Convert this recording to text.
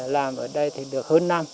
làm ở đây thì được hơn năm